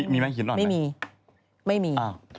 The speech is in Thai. มีไหมหินอ่อนไหมไม่มีไม่มี